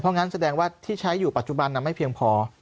งั้นแสดงว่าที่ใช้อยู่ปัจจุบันไม่เพียงพอ